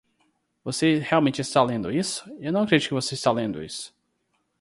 você realmente está lendo isso? eu não acredito que você está lendo isso!